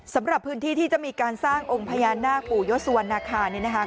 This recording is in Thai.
สำหรับพื้นที่ที่จะมีการสร้างองค์พญานาคปู่ยศวรรณคารเนี่ยนะคะ